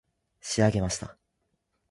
仕上げました